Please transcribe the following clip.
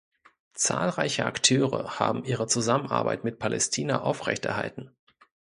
Zahlreiche Akteure haben ihre Zusammenarbeit mit Palästina aufrechterhalten.